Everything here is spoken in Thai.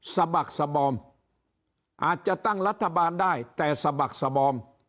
สะบักสบอมอาจจะตั้งรัฐบาลได้แต่สะบักสบอม